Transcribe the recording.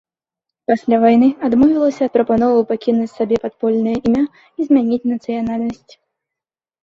Пасля вайны адмовілася ад прапановы пакінуць сабе падпольнае імя і змяніць нацыянальнасць.